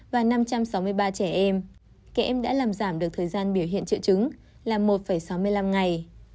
và năm trăm sáu mươi ba trẻ em trẻ em đã làm giảm được thời gian biểu hiện triệu chứng là một sáu mươi năm ngày